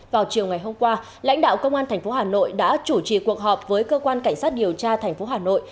vào chiều ngày hôm qua lãnh đạo công an tp hà nội đã chủ trì cuộc họp với cơ quan cảnh sát điều tra thành phố hà nội